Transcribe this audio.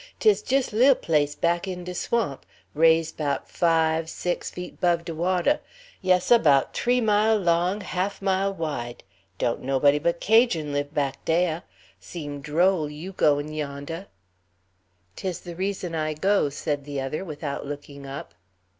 'Tis jis lil place back in de swamp, raise' 'bout five, six feet 'bove de wateh. Yes, seh; 'bout t'ree mile' long, 'alf mile wide. Don't nobody but Cajun' live back dah. Seem droll you goin' yondeh." Acadians. "'Tis the reason I go," said the other, without looking up.